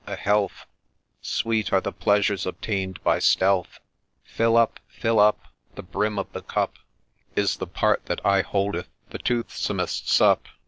a health f Sweet are the pleasures obtain'd by stealth I Fill up ! fill up !— the brim of the cup Is the part that ay holdeth the toothsomest sup